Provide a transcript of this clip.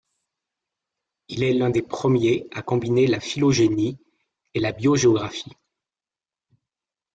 Il est l'un des premiers à combiner la phylogénie et la biogéographie.